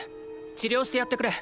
治療してやってくれ。